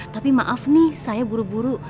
tapi maaf nih saya buru buru